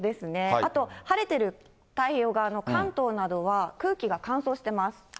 あと、晴れてる太平洋側の関東などは空気が乾燥してます。